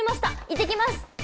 行ってきます！